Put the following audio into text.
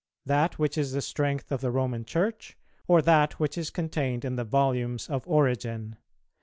that which is the strength of the Roman Church? or that which is contained in the volumes of Origen?